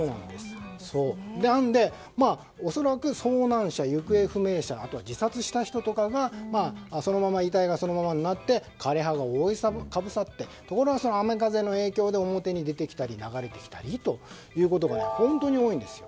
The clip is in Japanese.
なので、恐らく遭難者行方不明者あとは自殺した人とかが遺体がそのままになって枯れ葉が覆いかぶさって雨風の影響で表に出てきたり流れてきたりということが本当に多いんです。